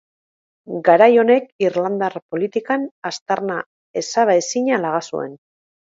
Garai honek irlandar politikan aztarna ezabaezina laga zuen.